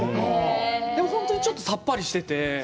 でも、本当にちょっとさっぱりしてて。